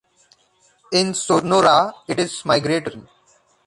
In Sonora it is migratory.